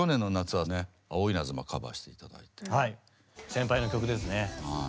はい先輩の曲ですね。